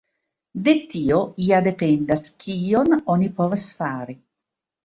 De tio ja dependas kion oni povas fari.